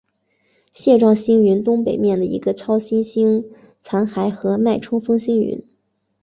蟹状星云东北面的一个超新星残骸和脉冲风星云。